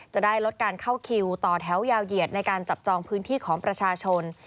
จะได้ลดการเข้าคิวต่อแถวยาวเหยียดในการจับจองพื้นที่ของประชาชน